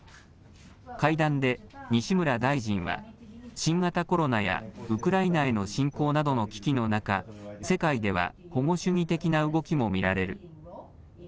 会談で西村大臣は、新型コロナや、ウクライナへの侵攻などの危機の中、世界では保護主義的な動きも見られる。